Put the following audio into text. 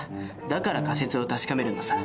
だから仮説を確かめるのさ。